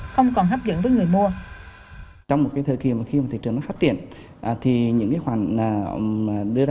không còn hấp dẫn với người mua